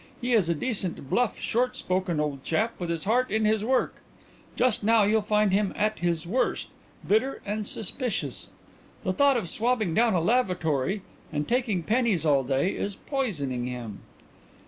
He is a decent, bluff, short spoken old chap, with his heart in his work. Just now you'll find him at his worst bitter and suspicious. The thought of swabbing down a lavatory and taking pennies all day is poisoning him."